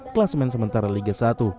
klasmen sementara liga satu